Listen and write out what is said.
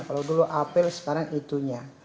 kalau dulu apel sekarang itunya